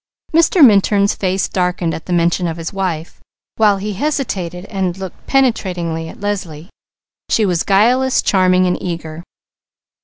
Mr. Minturn's face darkened at the mention of his wife, while he hesitated and looked penetratingly at Leslie. She was guileless, charming, and eager.